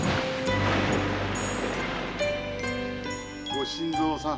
ご新造さん